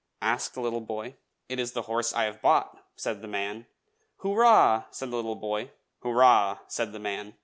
asked the little boy. "It is the horse I have bought!" said the man. "Hurrah!" said the little boy. "Hurrah!" said the man.